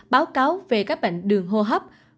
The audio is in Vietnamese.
báo cáo về các bệnh đường hô hấp